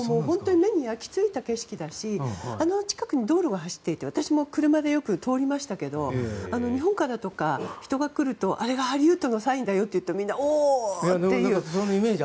目に焼き付いた景色だしあの近くに道路が走っていて私もよく通りましたけど日本からとか人が来るとあれがハリウッドのサインだよって言うとみんな、おー！っていう。